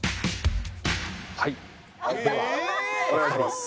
はいお願いします。